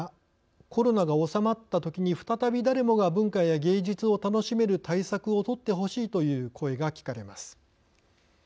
「コロナが収まったときに再び誰もが文化や芸術を楽しめる対策をとってほしい」という声が聞かれます。